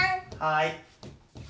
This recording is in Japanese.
はい。